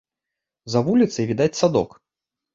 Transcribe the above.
За вуліцай відаць садок.